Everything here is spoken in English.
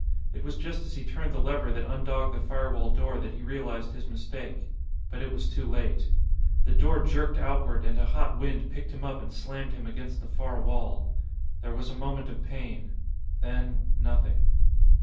It was just as he turned the lever that undogged the firewall door that he realized his mistake. But it was too late. The door jerked outward, and a hot wind picked him up and slammed him against the far wall. There was a moment of pain. Then nothing.